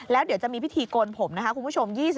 แล้วเดี๋ยวจะมีพิธีโกนผมนะคะคุณผู้ชม